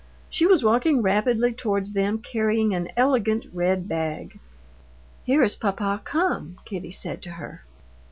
She was walking rapidly towards them carrying an elegant red bag. "Here is papa come," Kitty said to her.